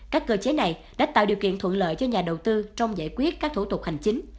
các cơ chế này đã tạo điều kiện thuận lợi cho nhà đầu tư trong giải quyết các thủ tục hành chính